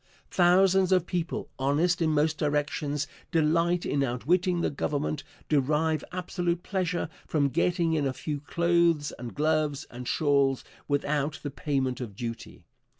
Thousands of people, honest in most directions, delight in outwitting the Government derive absolute pleasure from getting in a few clothes and gloves and shawls without the payment of duty.